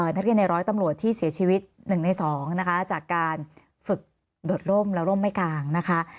นักเรียนในร้อยตำรวจที่เสียชีวิต๑ใน๒นะคะจากการฝึกโดดร่มและร่มไม่กลางนะคะ